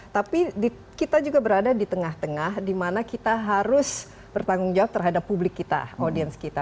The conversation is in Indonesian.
tapi kita juga berada di tengah tengah di mana kita harus bertanggung jawab terhadap publik kita audience kita